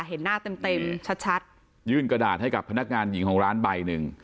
เห็นหน้าเต็มเต็มชัดชัดยื่นกระดาษให้กับพนักงานหญิงของร้านใบหนึ่ง